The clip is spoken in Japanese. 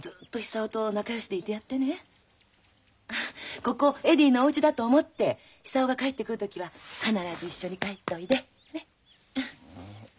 ここをエディのおうちだと思って久男が帰ってくる時は必ず一緒に帰っておいで。ね！